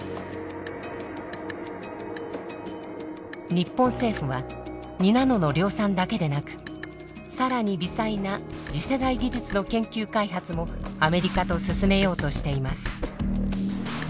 日本政府は２ナノの量産だけでなく更に微細な次世代技術の研究開発もアメリカと進めようとしています。